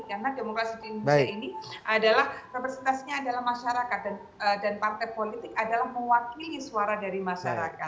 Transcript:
karena demokrasi di indonesia ini adalah representasinya adalah masyarakat dan partai politik adalah mewakili suara dari masyarakat